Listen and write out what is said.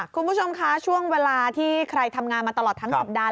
คุณผู้ชมคะช่วงเวลาที่ใครทำงานมาตลอดทั้งสัปดาห